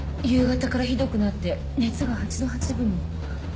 夕方からひどくなって熱が８度８分も。